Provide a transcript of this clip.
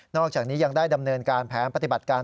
อกจากนี้ยังได้ดำเนินการแผนปฏิบัติการ